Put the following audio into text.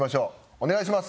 お願いします！